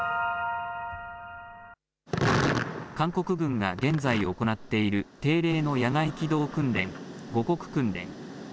韓国軍が現在行っている定例の野外機動訓練、護国訓練。